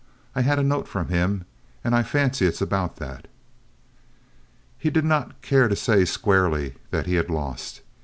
I had a note from him, and I fancy it's about that." He did not care to say squarely that he had lost.